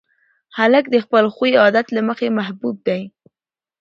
هلک د خپل خوی او عادت له مخې محبوب دی.